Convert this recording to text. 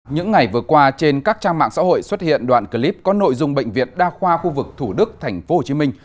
những ngày vừa qua trên các trang mạng xã hội xuất hiện đoạn clip có nội dung bệnh viện đa khoa khu vực thủ đức thành phố hồ chí minh